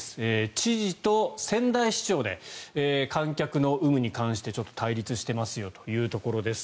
知事と仙台市長で観客の有無に関してちょっと対立してますよというところです。